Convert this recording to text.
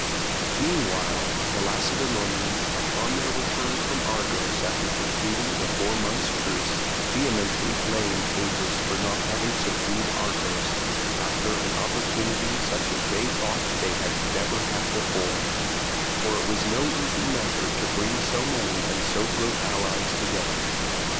Meanwhile the Lacedaemonians, upon their return from Argos after concluding the four months' truce, vehemently blamed Agis for not having subdued Argos, after an opportunity such as they thought they had never had before; for it was no easy matter to bring so many and so good allies together.